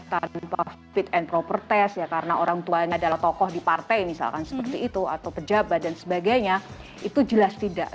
tanpa fit and proper test ya karena orang tuanya adalah tokoh di partai misalkan seperti itu atau pejabat dan sebagainya itu jelas tidak